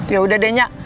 yaudah deh nya